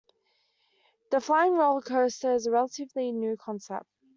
The flying roller coaster is a relatively new concept.